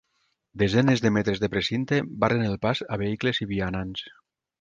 Desenes de metres de precinte barren el pas a vehicles i vianants.